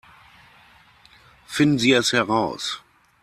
Finden Sie es heraus!